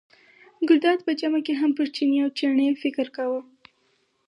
ګلداد په جمعه کې هم پر چیني او چڼي فکر کاوه.